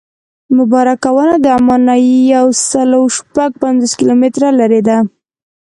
مبارکه ونه د عمان نه یو سل او شپږ پنځوس کیلومتره لرې ده.